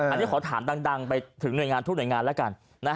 อันนี้ขอถามดังไปถึงทุกหน่วยงานแล้วกัน